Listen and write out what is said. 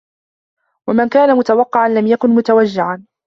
وَمَنْ كَانَ مُتَوَقِّعًا لَمْ يَكُنْ مُتَوَجِّعًا